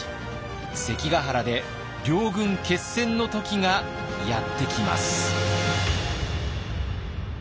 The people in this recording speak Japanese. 関ヶ原で両軍決戦の時がやってきます。